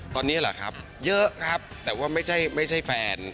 ตอนนี้เหรอครับเยอะครับแต่ว่าไม่ใช่แฟน